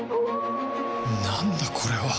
なんだこれは